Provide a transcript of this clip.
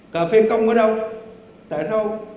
cà phê công ở đâu tại đâu